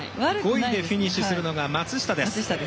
５位でフィニッシュしたのが松下です。